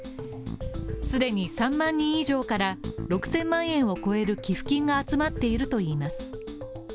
既に３万人以上から、６０００万円を超える寄付金が集まっているといいます。